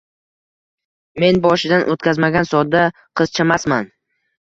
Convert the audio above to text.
Men boshidan o‘tkazmagan sodda qizchamasman.